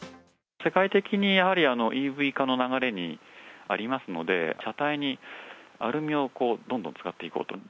世界的にやはりＥＶ化の流れにありますので、車体にアルミをどんどん使っていこうと。